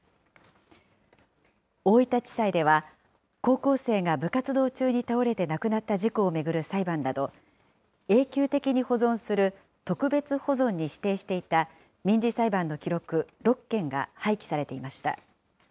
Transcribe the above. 大分地裁では、高校生が部活動中に倒れて亡くなった事故を巡る裁判など、永久的に保存する特別保存に指定していた民事裁判の記録６件が廃棄されていました。